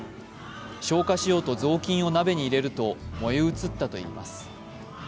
消火しようと雑巾を鍋に入れると燃え移ったといいます。